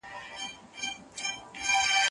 ته ولي بوټونه پاکوې!.